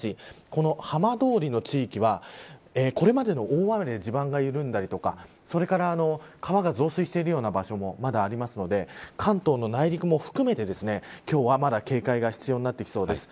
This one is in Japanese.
この浜通りの地域はこれまでの大雨で地盤が緩んだりとかそれから川が増水しているような場所もまだありますので関東内陸も含めて、今日はまだ警戒が必要になってきそうです。